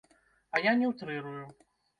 А я не ўтрырую.